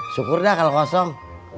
syukur dah kalau kosong